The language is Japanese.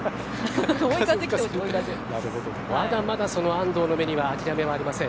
まだまだ安藤の目には諦めはありません。